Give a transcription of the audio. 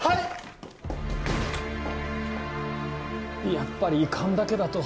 やっぱり勘だけだと。